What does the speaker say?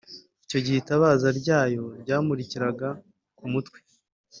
Icyo gihe itabaza ryayo ryamurikiraga ku mutwe.